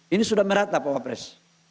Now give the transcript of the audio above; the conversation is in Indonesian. ini sudah merata pak wapres